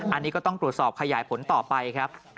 อันนี้ก็ต้องตรวจสอบขยายผลต่อไปครับ